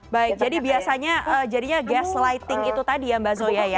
baik jadi biasanya jadinya gas lighting itu tadi ya mbak zoya ya